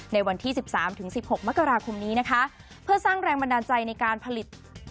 ในวันที่สิบสามถึงสิบหกมกราคมนี้นะคะเพื่อสร้างแรงบันดาลใจในการผลิต